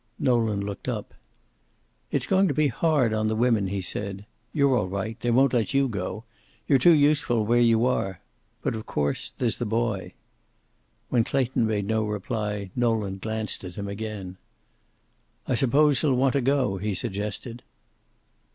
Nolan looked up. "It's going to be hard on the women," he said. "You're all right. They won't let you go. You're too useful where you are. But of course there's the boy." When Clayton made no reply Nolan glanced at him again. "I suppose he'll want to go," he suggested.